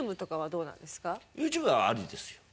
ＹｏｕＴｕｂｅはありですよ。